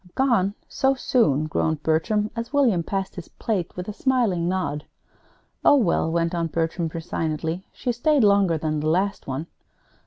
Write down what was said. "Gone, so soon?" groaned Bertram, as William passed his plate, with a smiling nod. "Oh, well," went on Bertram, resignedly, "she stayed longer than the last one.